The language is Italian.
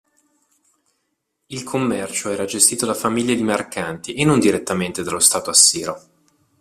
Il commercio era gestito da famiglie di mercanti e non direttamente dallo stato assiro.